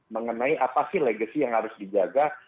mengenai apa sih legacy yang harus dijaga